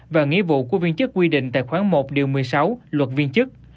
và nghĩa vụ của viên chức quy định tài khoản một điều một mươi sáu luật viên chức